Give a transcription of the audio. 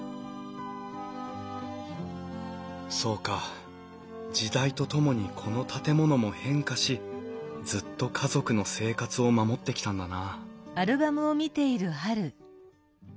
そうか時代とともにこの建物も変化しずっと家族の生活を守ってきたんだな